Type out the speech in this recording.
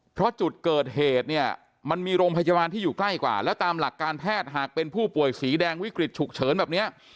เพราะจุดเกิดเหตุเนี่ยมันมีโรงพยาบาลที่อยู่ใกล้กว่าแล้วตามหลักการแพทย์หากเป็นผู้ป่วยสีแดงวิกฤตฉุกเฉินแบบนี้